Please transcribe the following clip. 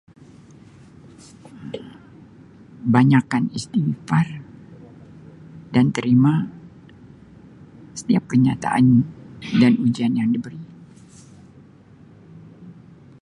Banyakkan istighfar dan terima setiap kenyataan dan ujian yang diberi.